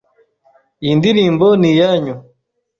Iyi ndirimbo ni iyanyu.